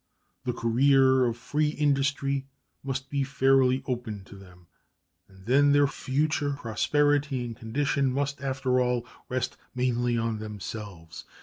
The career of free industry must be fairly opened to them, and then their future prosperity and condition must, after all, rest mainly on themselves.